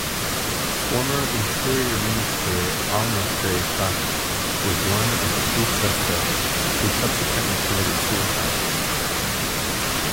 Former Interior Minister Almasbei Kchach was one of two suspects who subsequently committed suicide.